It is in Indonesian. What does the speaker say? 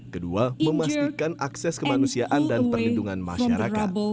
kedua memastikan akses kemanusiaan dan perlindungan masyarakat